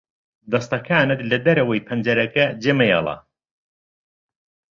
دەستەکانت لە دەرەوەی پەنجەرەکە جێمەهێڵە.